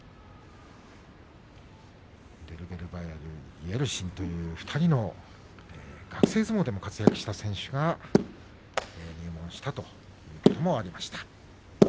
デルゲルバヤルイェルシンという２人の学生相撲で活躍した選手が入門したということもありました。